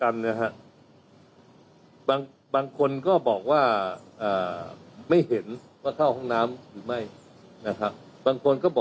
อ่าสรีรักษ์ของร่างกายของเราในเรื่องของการขับถ่ายปัสสาวะสามารถอั้นได้สูงสุดกี่ชั่วโมงครับ